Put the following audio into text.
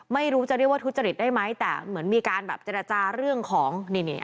ไม่รู้จะเรียกว่าทุจริตได้ไหมแต่เหมือนมีการแบบเจรจาเรื่องของนี่นี่